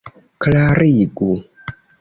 klarigu